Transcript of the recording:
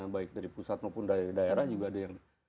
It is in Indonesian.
baik dari pusat maupun dari daerah juga ada yang